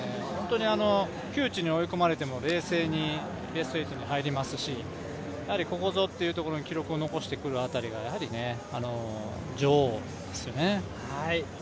窮地に追い込まれても冷静にベスト８に入りますしここぞというときに記録を残してくる辺りがやはり女王ですよね。